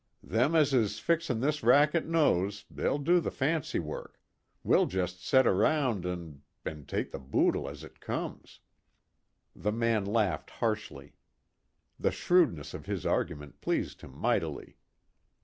Them as is fixin' this racket knows, they'll do the fancy work. We'll jest set around an' an' take the boodle as it comes." The man laughed harshly. The shrewdness of his argument pleased him mightily.